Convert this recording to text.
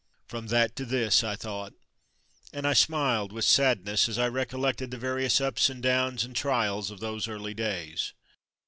"From that to this/' I thought, and I smiled with sadness as I recollected the various ups and downs and trials of those early days.